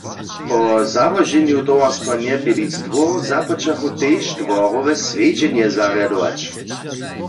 Po załoženju towarstwa Njepilic dwór započachu tež dworowe swjedźenje zarjadować.